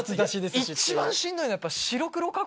一番しんどいのは。